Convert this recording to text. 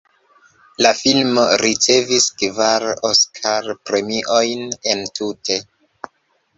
La filmo ricevis kvar Oskar-premiojn entute.